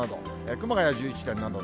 熊谷１１．７度。